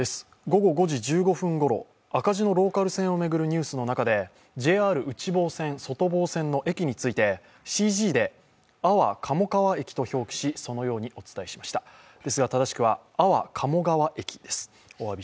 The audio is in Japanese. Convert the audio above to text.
午後５時１５分ごろ、赤字のローカル線を巡るニュースの中でＪＲ内房線・外房線の駅についてＣＧで「あわかもかわ駅」と表記しそのようにお伝えしました、ですが正しくは「あわかもがわ」